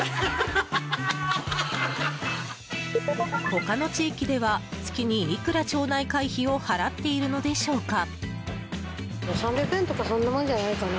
他の地域では月にいくら、町内会費を払っているのでしょうか。